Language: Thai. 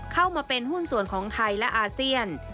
เข้ามาเป็นหุ้นส่วนของไทยและอาเซียน